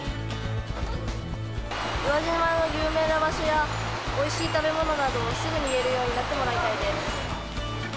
宇和島の有名な場所やおいしい食べ物などをすぐに言えるようになってもらいたいです。